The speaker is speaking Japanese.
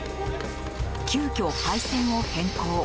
急きょ、配線を変更。